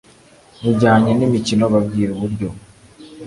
bujyanye n'imikino babwire uburyo